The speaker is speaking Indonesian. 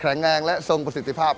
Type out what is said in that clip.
kerenggang dan song positifahap